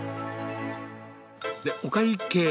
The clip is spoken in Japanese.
で、お会計。